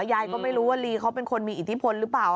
ยายก็ไม่รู้ว่าลีเขาเป็นคนมีอิทธิพลหรือเปล่า